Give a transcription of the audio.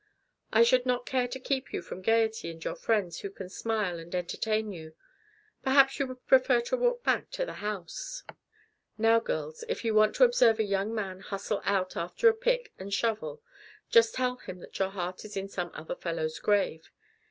I should not care to keep you from gaiety and your friends who can smile and entertain you. Perhaps you would prefer to walk back to the house?" Now, girls, if you want to observe a young man hustle out after a pick and shovel, just tell him that your heart is in some other fellow's grave.